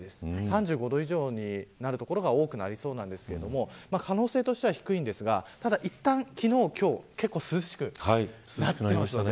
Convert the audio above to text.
３５度以上になる所が多くなりそうですが可能性としては低いですがいったん昨日、今日結構涼しくなっていますよね。